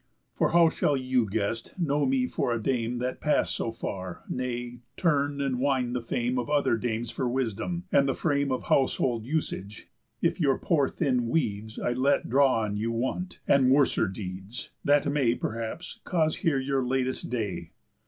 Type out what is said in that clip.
For how shall you, guest, know me for a dame That pass so far, nay, turn and wind the fame Of other dames for wisdom, and the frame Of household usage, if your poor thin weeds I let draw on you want, and worser deeds, That may, perhaps, cause here your latest day?